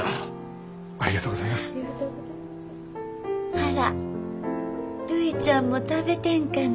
あらるいちゃんも食べてんかな。